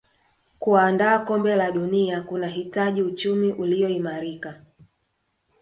kuandaa kombe la dunia kunahitaji uchumi uliyoimarika